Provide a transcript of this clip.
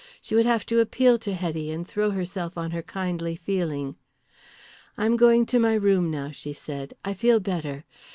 She would have to appeal to Hetty and throw herself on her kindly feeling. "I am going to my room now," she said. "I feel better.